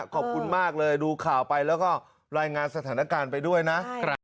ขอบคุณมากเลยดูข่าวไปแล้วก็รายงานสถานการณ์ไปด้วยนะ